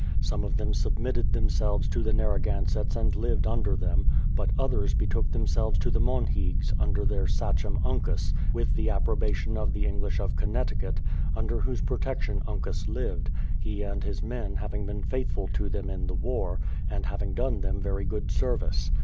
Some of them submitted themselves to the Narragansetts and lived under them; but others betook themselves to the Monhiggs, under their sachem, Uncas, with the appro bation of the English of Connecticut, under whose protec tion Uncas lived, he and his men having been faithful to them in the war, and having done them very good ser vice.